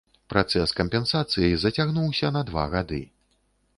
Працэс кампенсацыі зацягнуўся на два гады.